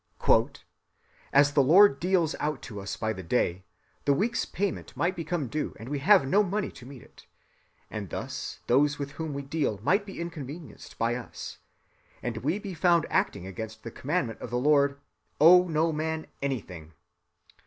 "As the Lord deals out to us by the day, ... the week's payment might become due and we have no money to meet it; and thus those with whom we deal might be inconvenienced by us, and we be found acting against the commandment of the Lord: 'Owe no man anything.